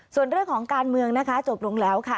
ส่วนเรื่องของการเมืองนะคะจบลงแล้วค่ะ